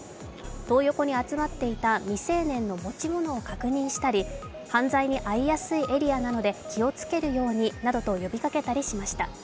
トー横に集まっていた未成年の持ち物を確認したり犯罪に遭いやすいエリアなので気をつけるようになどと呼びかけました。